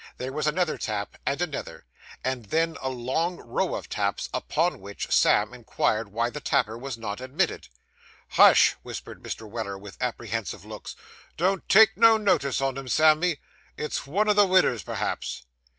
There was another tap, and another, and then a long row of taps; upon which Sam inquired why the tapper was not admitted. 'Hush,' whispered Mr. Weller, with apprehensive looks, 'don't take no notice on 'em, Sammy, it's vun o' the widders, p'raps.